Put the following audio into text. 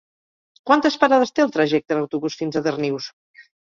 Quantes parades té el trajecte en autobús fins a Darnius?